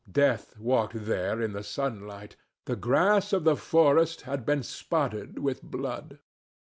Death walked there in the sunlight. The grass of the forest had been spotted with blood.